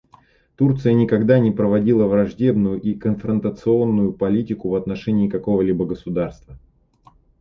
Турция никогда не проводила враждебную и конфронтационную политику в отношении какого-либо государства.